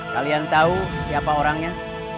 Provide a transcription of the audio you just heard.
kalian tau siapa orangnya